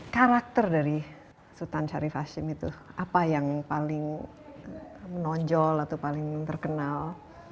karakter dari sultan syarif hashim itu apa yang paling menonjol atau paling terkenal